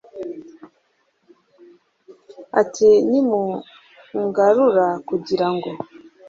ati nimungarura kugira ngo